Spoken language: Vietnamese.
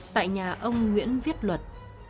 tại nhà ông nguyễn viết luật